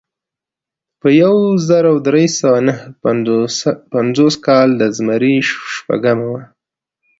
په یو زر درې سوه نهه پنځوس کال د زمري شپږمه وه.